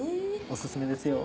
おすすめですよ。